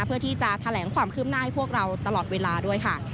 เพื่อที่จะแถลงความคืบหน้าให้พวกเราตลอดเวลาด้วยค่ะ